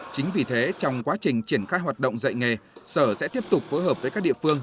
chính vì thế trong quá trình triển khai hoạt động dạy nghề sở sẽ tiếp tục phối hợp với các địa phương